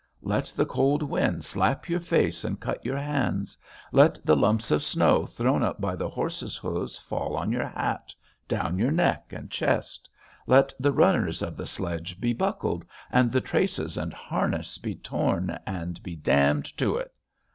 Let the cold wind slap your face and cut your hands; let the lumps of snow thrown up by the horses' hoofs fall on your hat, down your neck and chest; let the runners of the sledge be buckled, and the traces and harness be torn and be damned to it!